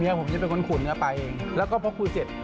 เนื้อผมจะเป็นคนขูดเนื้อปลาเองแล้วก็เพราะคุยเสร็จ